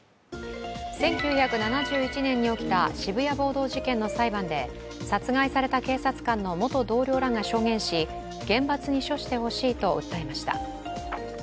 １９７１年に起きた渋谷暴動事件の裁判で殺害された警察官の元同僚らが証言し厳罰に処してほしいと訴えました。